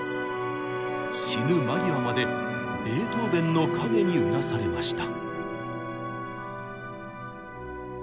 死ぬ間際までベートーベンの影にうなされました。